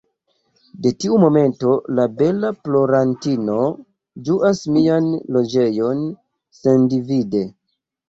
De tiu momento, la bela plorantino ĝuas mian loĝejon sendivide.